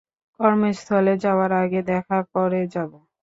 কর্মস্থলে যাওয়ার আগে দেখা করে যাব।